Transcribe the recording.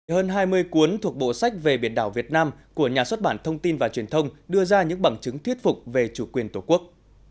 hơn hai mươi cuốn thuộc bộ sách về biển đảo việt nam của nhà xuất bản thông tin và truyền thông đưa ra những bằng chứng thuyết phục về chủ quyền tổ quốc